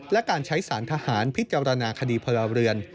และการใช้สารทหารพิจารณาคดีพลเรือน